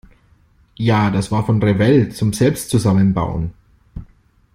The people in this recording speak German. Ja, das war von Revell, zum selbst zusammenbauen.